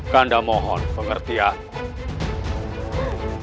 kanda mohon pengertian